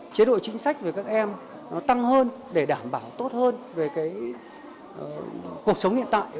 chế độ chính sách về các em tăng hơn để đảm bảo tốt hơn về cuộc sống hiện tại